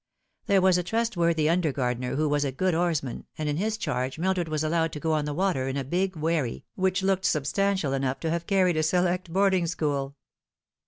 There was a trustworthy under gardener who was a good oarsman, and in his charge Mildred was allowed to go on the water in a big wherry, which looked substantial enough to have carried a select boarding school.